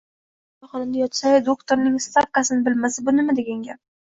Bemor shifoxonada yotsa-yu, doktorning stavkasini bilmasa, bu nima degan gap